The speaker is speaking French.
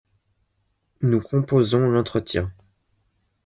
Nous composons l’entretien. ;